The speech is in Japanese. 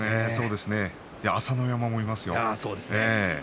朝乃山もいますよ。